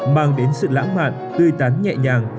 mang đến sự lãng mạn tươi tán nhẹ nhàng